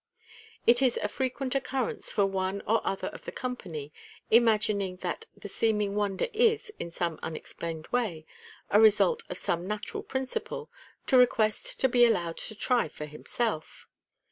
It is a frequent occurrence for one or other of the company, imagining that the seeming wonder is, in some unexplained way, a result of some natural principle, to request to be allowed to try for himself.